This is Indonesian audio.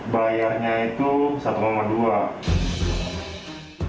bayarnya itu satu dua